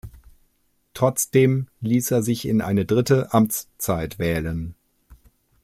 Trotzdem ließ er sich in eine dritte Amtszeit wählen.